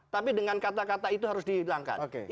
tapi dengan kata kata itu harus dihilangkan